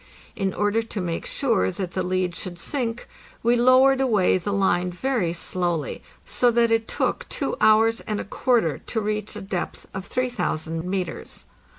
In order to make sure that the lead should sink, we lowered away the line very slowly, so that it took two hours and a quarter to reach a depth of 3000 metres.